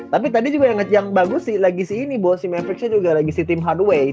tapi tadi juga yang bagus lagi si ini bo si maverick nya juga lagi si team hardway ya